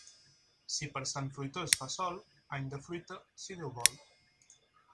Si per Sant Fruitós fa sol, any de fruita, si Déu vol.